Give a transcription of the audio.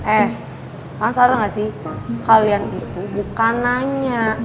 eh lhtan salah nggak sih kalian itu bukan nanya